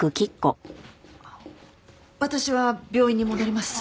私は病院に戻ります。